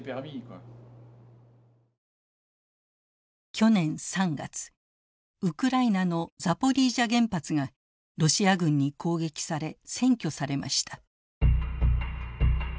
去年３月ウクライナのザポリージャ原発がロシア軍に攻撃され占拠されました。